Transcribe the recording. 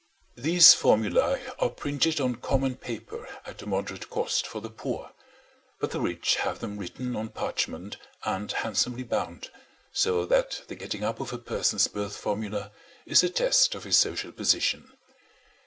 These formulae are printed on common paper at a moderate cost for the poor; but the rich have them written on parchment and handsomely bound, so that the getting up of a person's birth formula is a test of his social position.